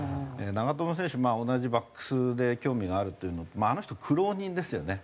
同じバックスで興味があるというのとあの人苦労人ですよね。